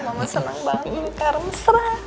mama senang banget karena serah